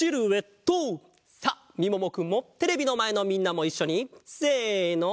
さあみももくんもテレビのまえのみんなもいっしょにせの。